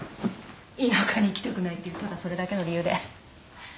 田舎に行きたくないっていうただそれだけの理由で。